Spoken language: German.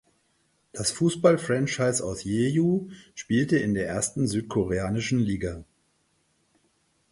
Das Fußballfranchise aus Jeju spielte in der ersten südkoreanischen Liga.